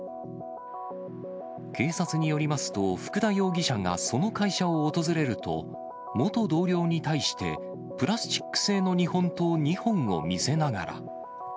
警察によりますと、福田容疑者がその会社を訪れると、元同僚に対して、プラスチック製の日本刀２本を見せながら。